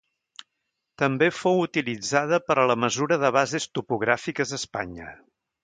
També fou utilitzada per a la mesura de bases topogràfiques a Espanya.